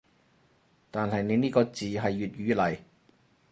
但係你呢個字係粵語嚟